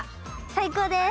最高です！